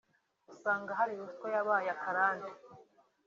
usanga hari ruswa yabaye akarande